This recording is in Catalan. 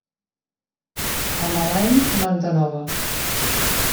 A mal any, manta nova.